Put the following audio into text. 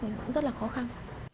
thì cũng rất là khó khăn